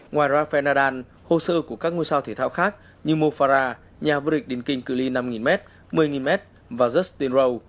ngoài rafael nadal hồ sơ của các ngôi sao thể thao khác như mo farah nhà vượt định kinh cư li năm m một mươi m và justin rowe